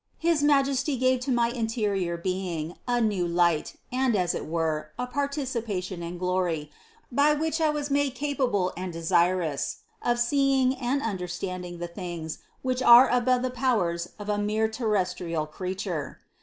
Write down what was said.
His Majesty gave to my in terior being a new light and, as it were, a participation in glory, by which I was made capable and desirous of seeing and understanding the things, which are above the powers of a mere terrestrial creature.